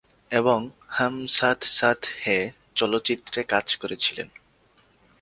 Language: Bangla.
এবং "হাম সাথ সাথ হ্যায়" চলচ্চিত্রে কাজ করেছিলেন।